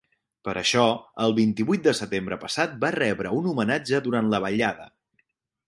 Per això, el vint-i-vuit de setembre passat va rebre un homenatge durant la ballada.